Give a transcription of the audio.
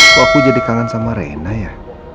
kok aku jadi kangen sama reina ya